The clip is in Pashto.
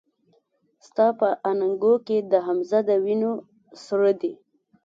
ستا په اننګو کې د حمزه د وينو سره دي